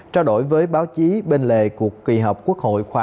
trao đổi với báo chí bên lề cuộc kỳ hợp quốc hội khóa một mươi năm